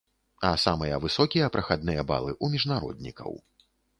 А самыя высокія прахадныя балы ў міжнароднікаў.